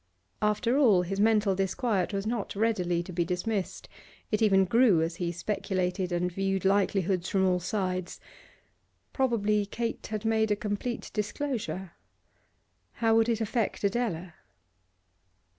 After all, his mental disquiet was not readily to be dismissed; it even grew as he speculated and viewed likelihoods from all sides. Probably Kate had made a complete disclosure. How would it affect Adela?